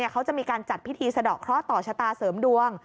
เขาจะมีการจัดพิธีสะดอกเคราะห์ต่อชะตาเสริมดวง